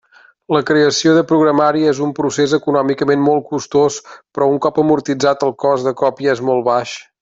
La creació de programari és un procés econòmicament molt costós però, un cop amortitzat, el cost de còpia és molt baix.